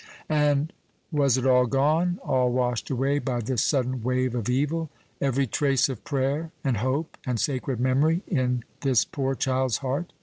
And was it all gone, all washed away by this sudden wave of evil? every trace of prayer, and hope, and sacred memory in this poor child's heart?